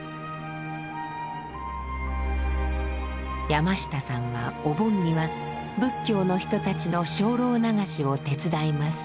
山下さんはお盆には仏教の人たちの精霊流しを手伝います。